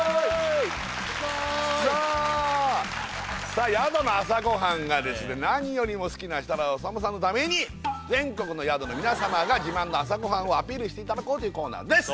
さあ宿の朝ごはんが何よりも好きな設楽統さんのために全国の宿の皆様が自慢の朝ごはんをアピールしていただこうというコーナーです